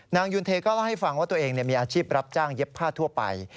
นางยุนเทก็เล่าให้ฟังว่าตัวเองมีอาชีพรับจ้างเย็บผ้าทั่วไป